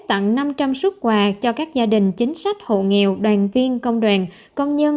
tặng năm trăm linh xuất quà cho các gia đình chính sách hộ nghèo đoàn viên công đoàn công nhân